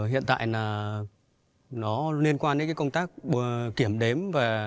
hiện tại nó liên quan đến công tác kiểm đếm